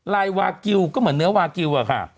ลายวากิลก็เหมือนเนื้อวากิลอะค่ะ